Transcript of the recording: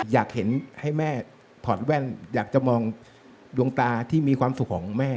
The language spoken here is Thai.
อยากเห็นให้แม่ถอดแว่นอยากจะมองดวงตาที่มีความสุขของแม่